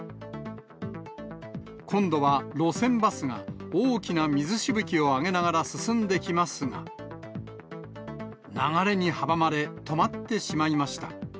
今度は路線バスが、大きな水しぶきを上げながら進んできますが、流れに阻まれ、止まってしまいました。